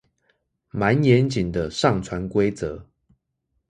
滿嚴謹的上傳規則